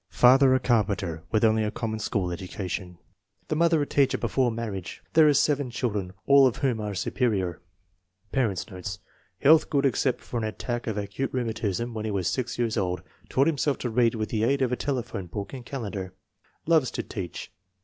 Father a carpenter, with only a common school education. The mother a teacher before marriage. There are seven children, all of whom are superior. Parents 9 notes. Health good except for an attack of acute rheumatism when he was 6 years old. Taught himself to read with the aid of a telephone book and calendar. Loves to teach.